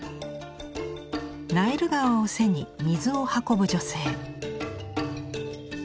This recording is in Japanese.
ナイル川を背に水を運ぶ女性。